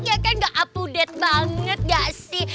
ya kan gak up to date banget gak sih